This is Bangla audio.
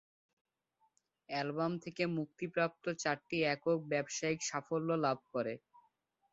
অ্যালবাম থেকে মুক্তিপ্রাপ্ত চারটি একক ব্যবসায়িক সাফল্য লাভ করে।